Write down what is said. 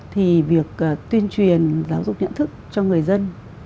thì việc tuyên truyền giáo dục nhận thức cho người dân